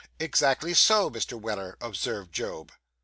'Exactly so, Mr. Weller,' observed Job.